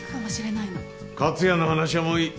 克哉の話はもういい。